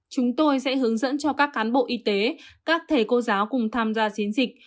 chúng tôi sẽ hướng dẫn cho các cán bộ y tế các thầy cô giáo cùng tham gia chiến dịch